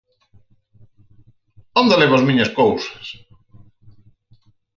Onde levo as miñas cousas?